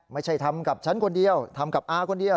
ไม่ใช่ทำกับฉันคนเดียวทำกับอาคนเดียว